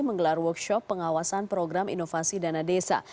menggelar workshop pengawasan program inovasi dana desa